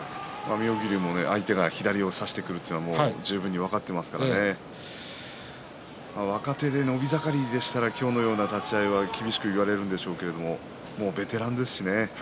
妙義龍も相手が左を差してくるということは十分に分かっていますからね若手で伸び盛りですから今日のような立ち合いが厳しくいかれるんでしょうけどもベテランですしね